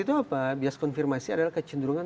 itu apa bias konfirmasi adalah kecenderungan